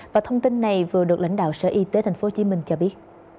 và thông tin này vừa được lãnh đạo sở y tế tp hcm cho biết